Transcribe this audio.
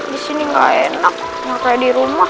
di sini gak enak gak kayak di rumah